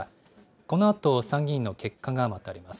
このあと参議院の結果が待たれます。